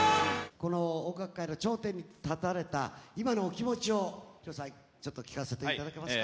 この音楽界の頂点に立たれた今のお気持ちをＨＩＲＯさん聞かせていただけますか？